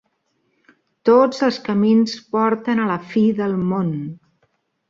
Tots els camins porten a la fi del món.